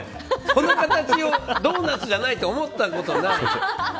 この形をドーナツじゃないと思ったことない。